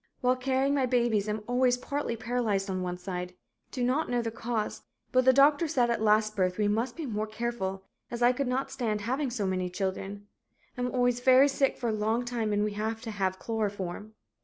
While carrying my babies am always partly paralyzed on one side. Do not know the cause but the doctor said at last birth we must be 'more careful,' as I could not stand having so many children. Am always very sick for a long time and have to have chloroform.